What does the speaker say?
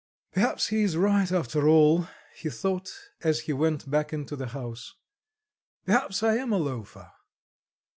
"Perhaps he is right, after all," he thought as he went back into the house; "perhaps I am a loafer."